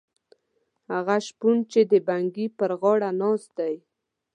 هغه شپون چې د بنګي پر غاړه ناست دی.